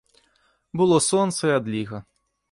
Было сонца і адліга.